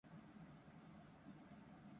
香川県小豆島町